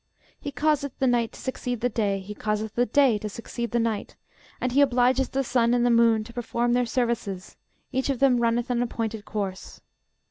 He causeth the night to succeed the day, and he causeth the day to succeed the night; and he obligeth the sun and the moon to perform their services: each of them runneth an appointed course.